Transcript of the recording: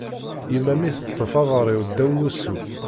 Yemma mi teṭṭef aḍar-iw ddaw wusu.